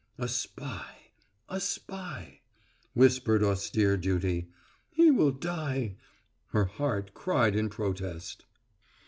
"A spy a spy!" whispered austere duty. "He will die!" her heart cried in protest.